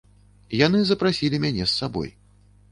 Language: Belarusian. Яны запрасілі мяне з сабой.